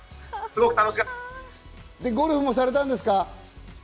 すごく楽ゴルフもされたんですか？